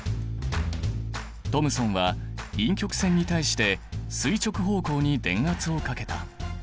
トムソンは陰極線に対して垂直方向に電圧をかけた。